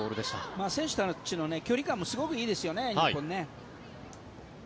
日本の選手たちの距離感もすごくいいですよね。